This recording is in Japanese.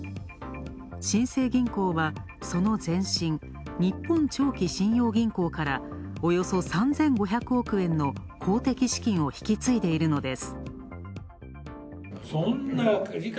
新生銀行は、その前身、日本長期信用銀行から、およそ３５００億円の公的資金を引き継いでいるのです。